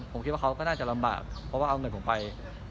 ผมคิดว่าเขาก็น่าจะลำบากเพราะว่าเอาเงินผมไป